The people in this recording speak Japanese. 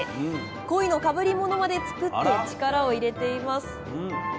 コイのかぶり物まで作って力を入れています。